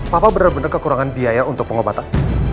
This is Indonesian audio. papa benar benar kekurangan biaya untuk pengobatan